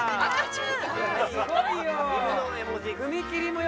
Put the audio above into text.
すごいよ。